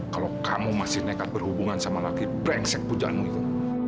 kalau kamu masih nekat berhubungan sama laki brengsek pujaanmu itu